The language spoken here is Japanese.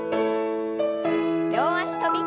両脚跳び。